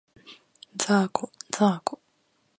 ざーこ、ざーこ